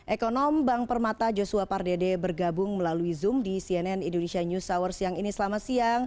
ekonom bank permata joshua pardede bergabung melalui zoom di cnn indonesia news hour siang ini selamat siang